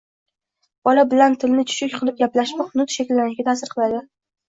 Bola bilan tilni chuchuk qilib gaplashmoq nutq shakllanishiga ta'sir qiladi.